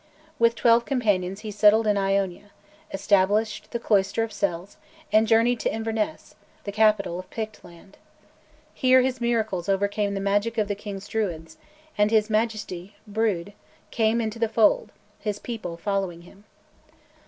With twelve companions he settled in Iona, established his cloister of cells, and journeyed to Inverness, the capital of Pictland. Here his miracles overcame the magic of the King's druids; and his Majesty, Brude, came into the fold, his people following him.